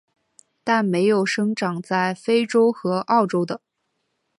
但没有生长在非洲和澳洲的。